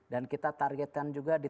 dan kita targetkan juga di